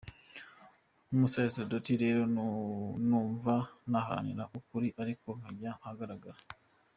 Nk’umusasaridoti rero numva naharanira ko ukuri ariko kwajya ahagaragara.